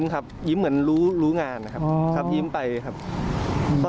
ตั้งแต่ปี๑แหล่ะ